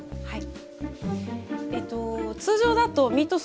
はい。